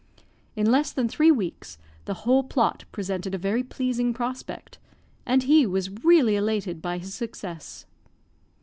In less than three weeks, the whole plot presented a very pleasing prospect, and he was really elated by his success.